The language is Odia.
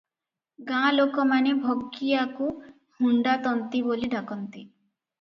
ଗାଁ ଲୋକମାନେ ଭଗିଆକୁ ହୁଣ୍ତା ତନ୍ତୀ ବୋଲି ଡାକନ୍ତି ।